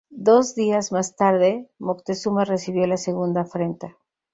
Dos días más tarde, Moctezuma recibió la segunda afrenta.